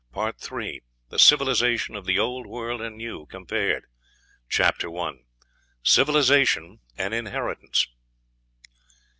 PART III THE CIVILIZATION OF THE OLD WORLD AND NEW COMPARED. CHAPTER I. CIVILIZATION AN INHERITANCE.